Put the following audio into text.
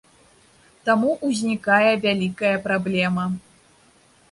Таму ўзнікае вялікая праблема.